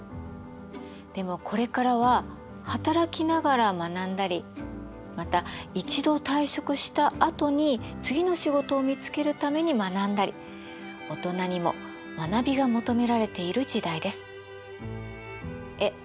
でもこれからは働きながら学んだりまた一度退職したあとに次の仕事を見つけるために学んだりオトナにも学びが求められている時代です。え？